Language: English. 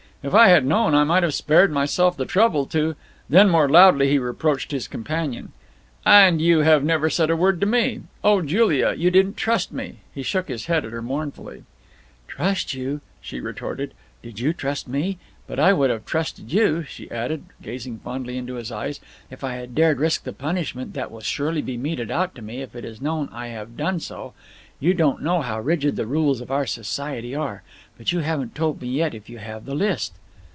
"If I had known, I might have spared myself the trouble to " Then more loudly he reproached his companion. "And you have never said a word to me! Oh, Julia, you didn't trust me." He shook his head at her mournfully. "Trust you!" she retorted. "Did you trust me? But I would have trusted you," she added, gazing fondly into his eyes, "if I had dared risk the punishment that will surely be meted out to me if it is known I have done so. You don't know how rigid the rules of our society are. But you haven't told me yet if you have the list."